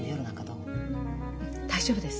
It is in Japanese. うん大丈夫です。